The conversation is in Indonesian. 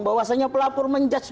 bahwasannya pelapor menjudge